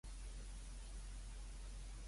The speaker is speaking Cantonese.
邊個搵我呀?